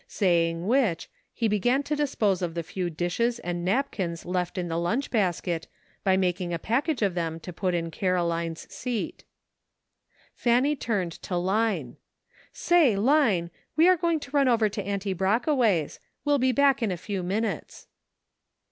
Saying which, he began to dispose of the few dishes and napkins left in the lunch basket by making a package of them to put in Caroline's seat. Fanny turned to Line. " Say, Line, we are going to run over to Auntie Brockway's. We'll be back in a few minutes."